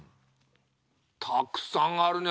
たくさんあるね。